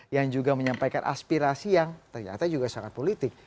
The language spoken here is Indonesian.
yang juga menyampaikan aspirasi yang ternyata juga sangat politik